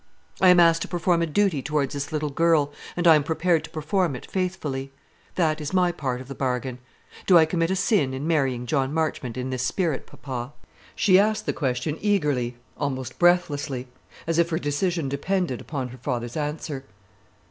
I am asked to perform a duty towards this little girl, and I am prepared to perform it faithfully. That is my part of the bargain. Do I commit a sin in marrying John Marchmont in this spirit, papa?" She asked the question eagerly, almost breathlessly; as if her decision depended upon her father's answer.